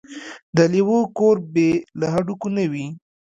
د لېوه کور بې له هډوکو نه وي.